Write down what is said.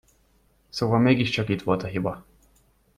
Szóval mégiscsak itt volt a hiba!